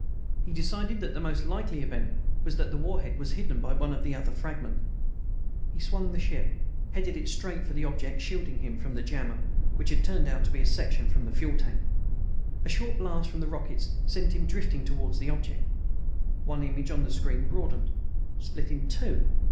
He decided that the most likely event was that the warhead was hidden by one of the other fragments. He swung the ship; headed it straight for the object shielding him from the jammer, which had turned out to be a section from the fuel tank. A short blast from the rockets sent him drifting toward the object. One image on the screen broadened; split in two.